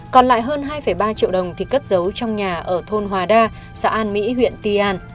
còn lại hơn hai ba triệu đồng thì cất giấu trong nhà ở thôn hòa đa xã an mỹ huyện ti an